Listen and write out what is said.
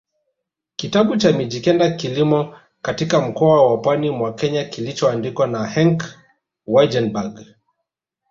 kitabu cha Mijikenda kilimo katika mkoa wa pwani mwa Kenya kilichoandikwa na Henk Waaijenberg